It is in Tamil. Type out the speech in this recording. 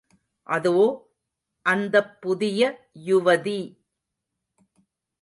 அதோ... அந்தப் புதிய யுவதி!...